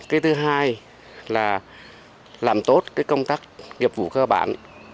cái thứ hai là làm tốt cái công tác nghiệp vụ cơ bản